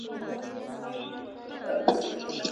د ښه ژوند لپاره تر ټولو زیات څه شي اړین دی؟